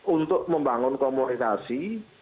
untuk membangun komunikasi